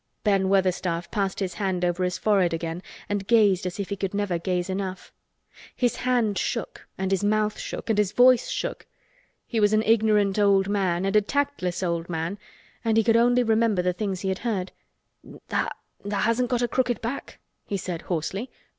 Ben Weatherstaff passed his hand over his forehead again and gazed as if he could never gaze enough. His hand shook and his mouth shook and his voice shook. He was an ignorant old man and a tactless old man and he could only remember the things he had heard. "Tha'—tha' hasn't got a crooked back?" he said hoarsely.